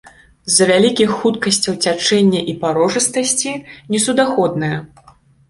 З-за вялікіх хуткасцяў цячэння і парожыстасці несуднаходная.